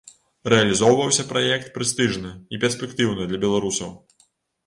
Рэалізоўваўся праект прэстыжны і перспектыўны для беларусаў.